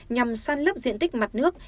nhằm săn lấp diện tích mặt nước